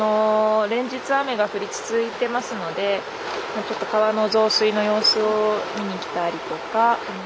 連日雨が降り続いてますのでちょっと川の増水の様子を見に来たりとか。